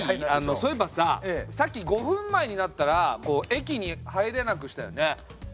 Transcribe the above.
そういえばささっき５分前になったら駅に入れなくしたよね。